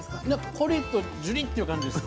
コリッとジュリッていう感じです。